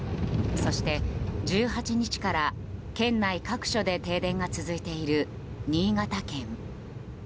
そして１８日から県内各所で停電が続いている新潟県。